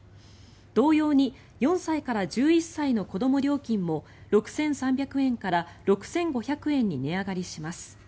同様に４歳から１１歳の子ども料金も６３００円から６５００円に値上がりします。